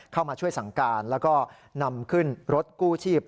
เข้ามาช่วยสั่งการแล้วก็นำขึ้นรถกู้ชีพ